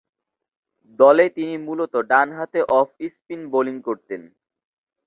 দলে তিনি মূলতঃ ডানহাতে অফ স্পিন বোলিং করতেন।